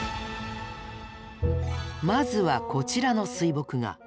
まずはこちらの水墨画。